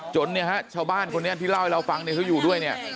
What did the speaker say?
จนมันเนี่ยฆ่าชาวบ้านบ้านคนนี้พี่เล่าให้ลาฟังได้ว่าอยู่ด้วยเนี่ย